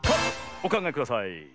おかんがえください。